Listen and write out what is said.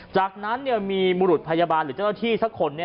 จากนั้นมีบุรุษพยาบาลหรือเจ้าหน้าที่สักคน